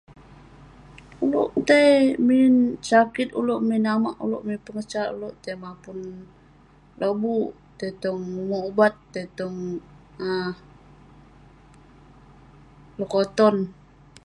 Ulouk tai min sakit ulouk, min amak ulouk, min pengesat ulouk..tai mapun lobuk, tong umerk ubat..tong um lekoton.